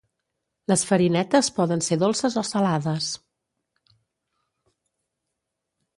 Les farinetes poden ser dolces o salades.